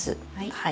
はい。